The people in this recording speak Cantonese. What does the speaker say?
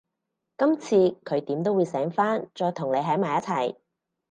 今次佢點都會醒返，再同你喺埋一齊